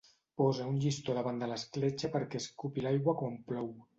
Posa un llistó davant l'escletxa perquè escupi l'aigua quan plou.